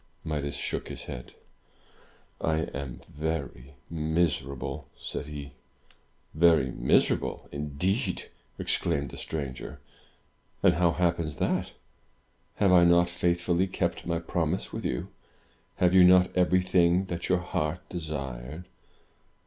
Midas shook his head. "I am very miserable," said he. "Very miserable, indeed!" exclaimed the stranger. "And how happens that? Have I not faithfully kept my promise with you? Have you not everything that your heart desired?"